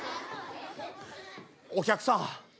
お客さん